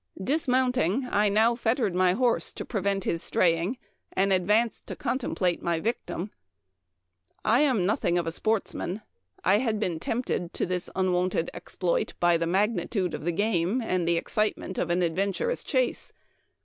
" Dismounting, I now fettered my horse to prevent his straying, and advanced to contem plate my victim. I am nothing of a sportsman ; I had been tempted to this unwonted exploit by the magnitude of the game, and the excitement of an adventurous chase.